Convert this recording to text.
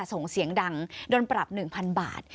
ส่งเสียงดังโดนปรับ๑๐๐๐บาท